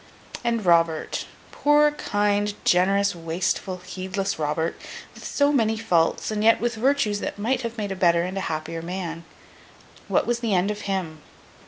And Robert—poor, kind, generous, wasteful, heedless Robert, with so many faults, and yet with virtues that might have made a better and a happier man—what was the end of him?